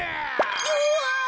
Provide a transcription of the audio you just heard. うわ！